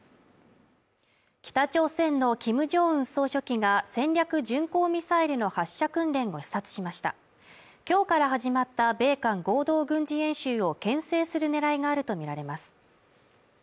北朝鮮のキム・ジョンウン総書記が戦略巡航ミサイルの発射訓練を視察しました今日から始まった米韓合同軍事演習をけん制するねらいがあると見られます